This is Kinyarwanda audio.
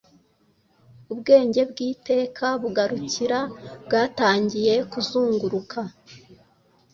Ubwenge bw'iteka bugarukira bwatangiye kuzunguruka